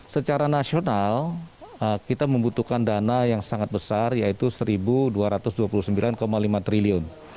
secara nasional kita membutuhkan dana yang sangat besar yaitu rp satu dua ratus dua puluh sembilan lima triliun